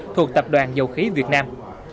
thuộc tập đoàn dầu khí việt nam